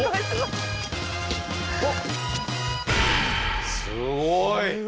すごい！